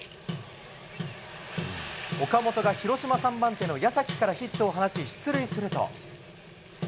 岡本が広島３番手の矢崎からヒットを放ち出塁すると。